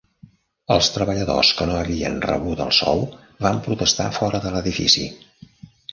Els treballadors que no havien rebut el sou van protestar fora de l'edifici.